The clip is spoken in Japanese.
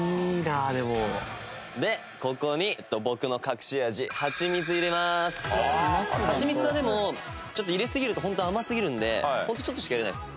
ここに僕のハチミツはでもちょっと入れすぎるとホント甘すぎるんでホントちょっとしか入れないです。